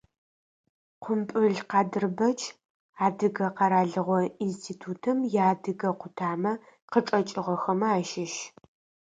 Къумпӏыл Къадырбэч, Адыгэ къэралыгъо институтым иадыгэ къутамэ къычӏэкӏыгъэхэмэ ащыщ.